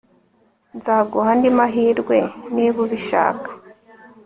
Nzaguha andi mahirwe niba ubishaka